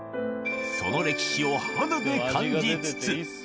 その歴史を肌で感じつつ。